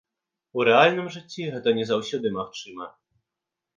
У рэальным жыцці гэта не заўсёды магчыма.